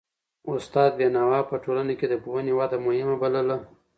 استاد بینوا په ټولنه کي د پوهنې وده مهمه بلله.